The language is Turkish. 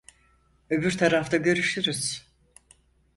Öbür tarafta görüşürüz.